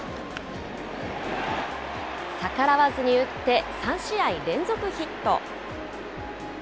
逆らわずに打って３試合連続ヒット。